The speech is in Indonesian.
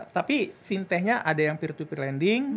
tapi fintechnya ada yang peer to peer lending